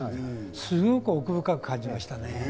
すごく奥深く感じましたね。